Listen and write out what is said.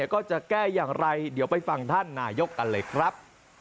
ก็จะแก้อย่างไรเดี๋ยวไปฟังท่านนายกกันเลยครับ